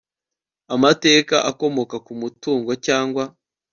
amata akomoka ku matungo cyangwa